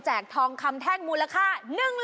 คาถาที่สำหรับคุณ